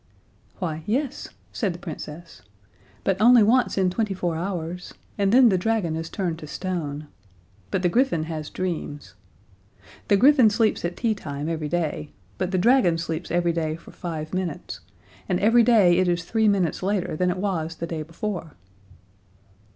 "Why, yes," said the Princess, "but only once in twenty four hours, and then the dragon is turned to stone. But the griffin has dreams. The griffin sleeps at teatime every day, but the dragon sleeps every day for five minutes, and every day it is three minutes later than it was the day before."